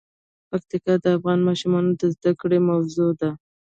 پکتیا د افغان ماشومانو د زده کړې موضوع ده.